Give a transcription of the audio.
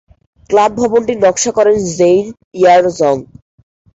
Club ভবনটির নকশা করেন জেইন ইয়ার জং।